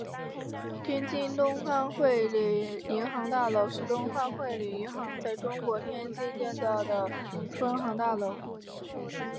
天津东方汇理银行大楼是东方汇理银行在中国天津建造的分行大楼。